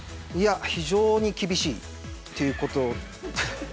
非常に厳しいということ。